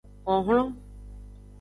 Honhlon.